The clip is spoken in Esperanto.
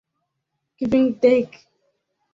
Kvindek!